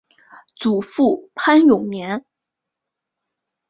祖父潘永年。